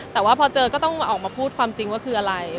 แต่ว่าพอเจอก็ต้องออกมาพูดความจริงว่าคืออะไร